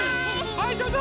はいどうぞ！